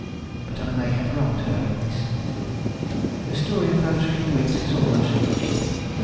But I may have wronged her in this. The story of those few weeks is almost finished.